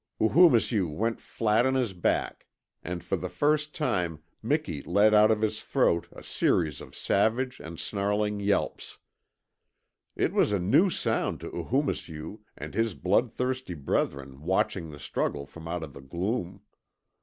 Oohoomisew went flat on his back and for the first time Miki let out of his throat a series of savage and snarling yelps. It was a new sound to Oohoomisew and his blood thirsty brethren watching the struggle from out of the gloom.